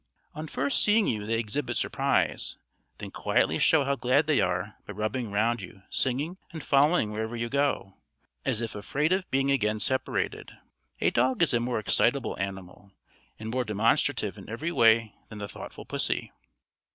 On first seeing you they exhibit surprise, then quietly show how glad they are by rubbing round you, singing, and following wherever you go, as if afraid of being again separated. A dog is a more excitable animal, and more demonstrative in every way than the thoughtful pussy.